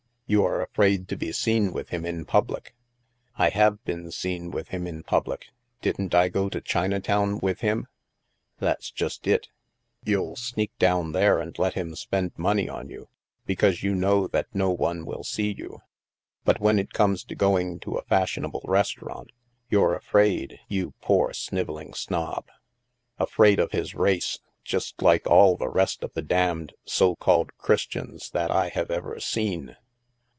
You are afraid to be seen with him in public." " I have been seen with him in public. Didn't I go to Chinatown with him ?"" That's just it ! You'll sneak down there and let him spend money on you, because you know that no one will see you. But when it comes to going to a fashionable restaurant, you're afraid, you poor snivelling snob! Afraid of his race, just like all the rest of the damned so called Qiristians that I have ever seen."